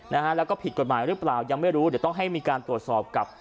นะฮะแล้วก็ผิดกฎหมายหรือเปล่ายังไม่รู้เดี๋ยวต้องให้มีการตรวจสอบกับ